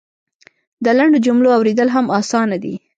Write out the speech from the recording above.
د لنډو جملو اورېدل هم اسانه دی.